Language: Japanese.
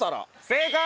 正解！